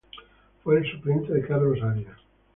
Fue el suplente de Carlos Arias.